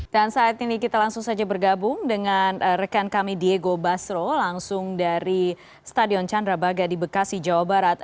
dan saat ini kita langsung saja bergabung dengan rekan kami diego basro langsung dari stadion candrabaga di bekasi jawa barat